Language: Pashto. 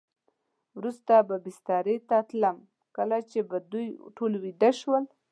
وروسته به بسترې ته تلم، کله چې به دوی ټول ویده شول.